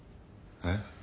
えっ？